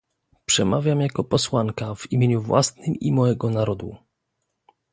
Przemawiam jako posłanka, w imieniu własnym i mojego narodu